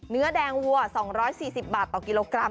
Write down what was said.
เนื้อแดงวัว๒๔๐บาทต่อกิโลกรัม